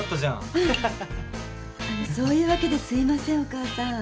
そういうわけですいませんお母さん。